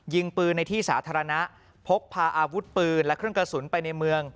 ยิงปืนในที่สาธารณะพกพาอาวุธปืนและเครื่องกระสุนไปในเมือง